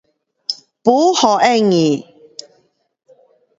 Bu ho eng ii